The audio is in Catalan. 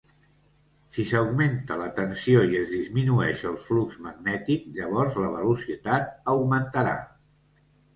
Si s'augmenta la tensió i es disminueix el flux magnètic llavors la velocitat augmentarà.